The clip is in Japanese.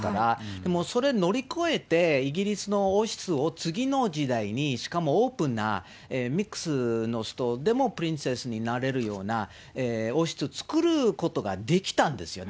でもそれ乗り越えて、イギリスの王室を次の時代に、しかもオープンな、ミックスの人でもプリンセスになれるような王室、作ることができたんですよね。